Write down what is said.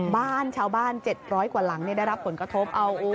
บ้านชาวบ้าน๗๐๐กว่าหลังได้รับผลกระทบ